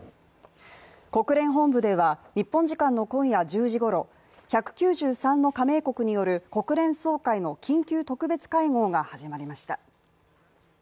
国連本部では日本時間の今夜１０時ごろ、１９３の加盟国による国連総会の緊急特別会合が始まりました。